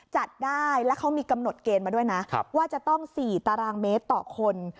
จัดได้แล้วเขามีกำหนดเกณฑ์มาด้วยนะว่าจะต้อง๔ตารางเมตรต่อคน